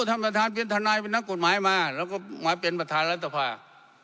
ท่านประธานเป็นทนายเป็นนักกฎหมายมาแล้วก็มาเป็นประธานรัฐสภา